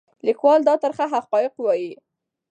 لیکوال دا ترخه حقایق وایي.